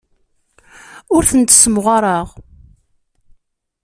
Ur tent-ssemɣareɣ.